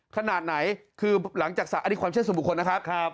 ขนาดไหนคือหลังจากสระอันนี้ความเชื่อส่วนบุคคลนะครับ